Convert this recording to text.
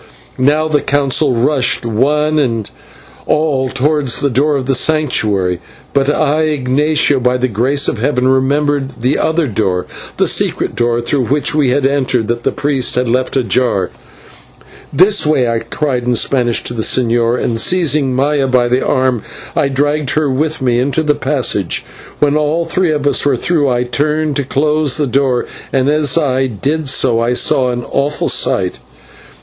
Now the Council rushed one and all towards the door of the Sanctuary; but I, Ignatio, by the grace of Heaven, remembered the outer door, the secret door through which we had entered, that the priest had left ajar. "This way!" I cried in Spanish to the señor, and seizing Maya by the arm I dragged her with me into the passage. When all three of us were through I turned to close the door, and as I did so I saw an awful sight.